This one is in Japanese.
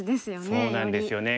そうなんですよね。